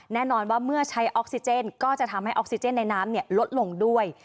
แน่นอนว่าเมื่อใช้ออกซิเจนก็จะทำให้ออกซิเจนในน้ำลดลงด้วย